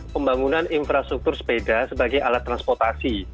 pembangunan infrastruktur sepeda sebagai alat transportasi